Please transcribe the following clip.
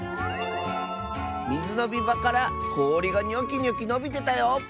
「みずのみばからこおりがニョキニョキのびてたよ！」。